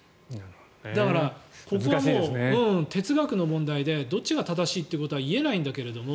だから、ここは哲学の問題でどっちが正しいということは言えないんだけれども。